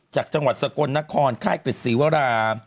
จากจังหวัดสกรนครค่ายเกษตรีวัลา